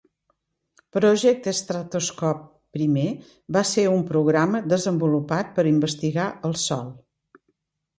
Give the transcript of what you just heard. Project Stratoscope I va ser un programa desenvolupat per investigar el Sol.